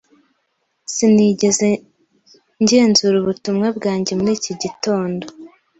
Sinigeze ngenzura ubutumwa bwanjye muri iki gitondo.